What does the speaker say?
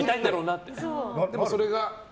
でもそれが？